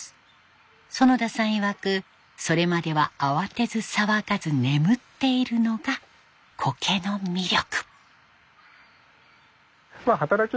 園田さんいわく「それまでは慌てず騒がず眠っている」のがコケの魅力。